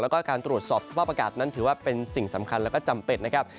แล้วก็การตรวจสอบสภาพอากาศนั้นถือว่าเป็นสิ่งสำคัญแล้วก็จำเป็นนะครับ